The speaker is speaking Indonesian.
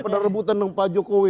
ada rebutan dengan pak jokowi